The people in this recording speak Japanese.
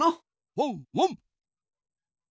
ワンワン。